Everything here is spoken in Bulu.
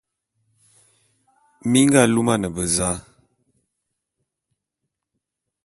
Mi nga lumane beza?